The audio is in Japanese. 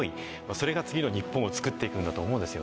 それが次の日本をつくっていくんだと思うんですよね。